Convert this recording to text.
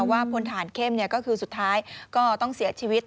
ว่าพลทหารเข้มเนี่ยก็คือสุดท้ายก็ต้องเสียชีวิต